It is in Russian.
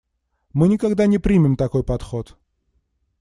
Мы никогда не примем такой подход.